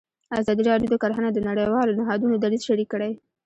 ازادي راډیو د کرهنه د نړیوالو نهادونو دریځ شریک کړی.